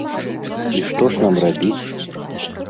І што ж нам рабіць?